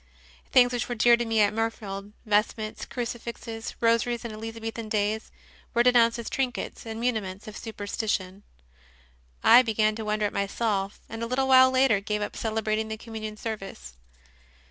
Things which were dear to me at Mirfield vestments, crucifixes, rosaries in Elizabethan days were de nounced as " trinkets" and "muniments of super stition." I began to wonder at myself, and a little while later gave up celebrating the Communion service.